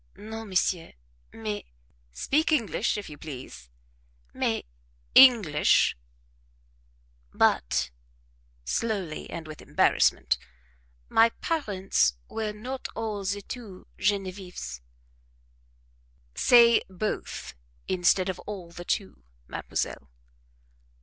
"Non, Monsieur; mais " "Speak English, if you please." "Mais " "English " "But" (slowly and with embarrassment) "my parents were not all the two Genevese." "Say BOTH, instead of 'all the two,' mademoiselle."